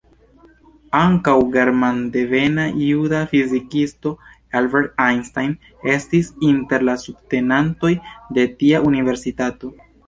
Ankaŭ la germandevena juda fizikisto Albert Einstein estis inter la subtenantoj de tia universitato.